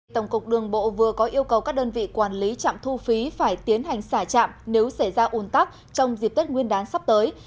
tổng cục đường bộ vừa có yêu cầu các đơn vị quản lý trạm thu phí phải tiến hành xả chạm nếu xảy ra ủn tắc trong dịp tết nguyên đán sắp tới